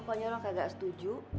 pokoknya rom kagak setuju